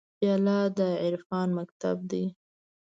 پیاله د عرفان مکتب ده.